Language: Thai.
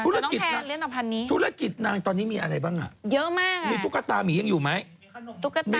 รักน้องหมาเขาเลี้ยงอยู่ในบ้านเลยนางไปซื้อมาใหม่อีกตัวหนึ่งแล้วนะ